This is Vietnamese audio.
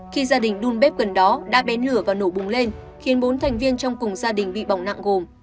khi gia đình đun bếp gần đó đã bén lửa và nổ bùng lên khiến bốn thành viên trong cùng gia đình bị bỏng nặng gồm